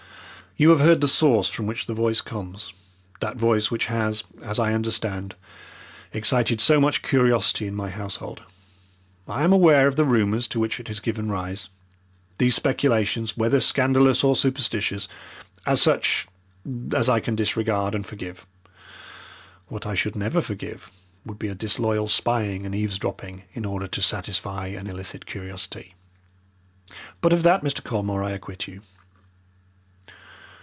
"You have heard the source from which the voice comes that voice which has, as I understand, excited so much curiosity in my household. I am aware of the rumours to which it has given rise. These speculations, whether scandalous or superstitious, are such as I can disregard and forgive. What I should never forgive would be a disloyal spying and eavesdropping in order to satisfy an illicit curiosity. But of that, Mr. Colmore, I acquit you.